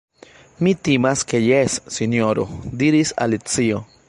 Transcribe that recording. "Mi timas ke jes, Sinjoro," diris Alicio.